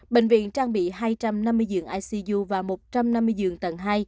bệnh viện trang bị hai trăm năm mươi giường iczu và một trăm năm mươi giường tầng hai